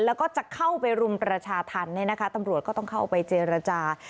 แล้วก็จะเข้าไปรุมประชาธรรมเนี่ยนะคะตำรวจก็ต้องเข้าไปเจรจา